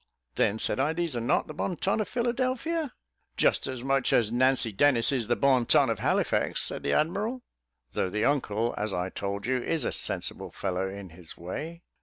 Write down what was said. "Then," said I, "these are not the bon ton of Philadelphia?" "Just as much as Nancy Dennis is the bon ton of Halifax," said the admiral; "though the uncle, as I told you, is a sensible fellow in his way."